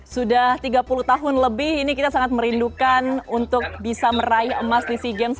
sudah tiga puluh tahun lebih ini kita sangat merindukan untuk bisa meraih emas di sea games